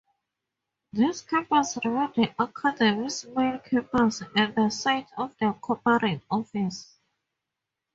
This campus remains the academy’s main campus and the site of the corporate office.